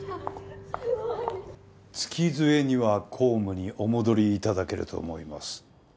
月末には公務にお戻り頂けると思います。